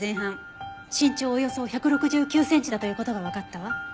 身長およそ１６９センチだという事がわかったわ。